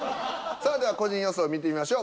さあじゃあ個人予想を見てみましょう。